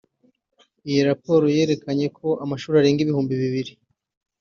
Iyi raporo yerekanye ko amashuri arenga ibihumbi bibiri